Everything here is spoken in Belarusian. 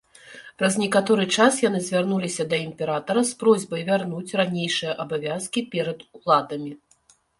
Праз некаторы час яны звярнуліся да імператара з просьбай вярнуць ранейшыя абавязкі перад уладамі.